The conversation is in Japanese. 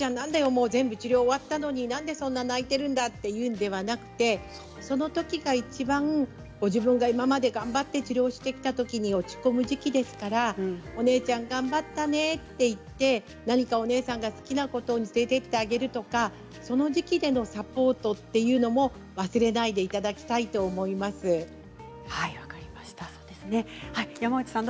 もう全部治療終わったのに泣いているんだと言うのではなくそのときがいちばんご自分が今まで頑張って治療してきたときに落ち込む時期ですからお姉ちゃん頑張ったねと言ってお姉さんが好きなところに連れてってあげるとかその時期のサポートも忘れないでいただきたいと山内さん